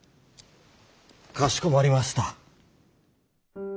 かしこまりました。